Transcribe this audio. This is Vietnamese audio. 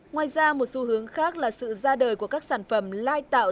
ngoài ra một xu hướng khác là sự ra đời của các sản phẩm lai tạo